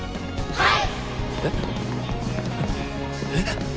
はい！